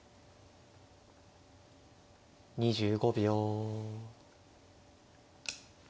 ２５秒。